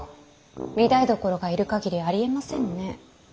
御台所がいる限りありえませんね。